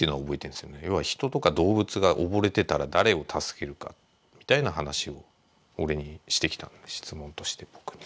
要は人とか動物が溺れてたら誰を助けるかみたいな話を俺にしてきた質問として僕に。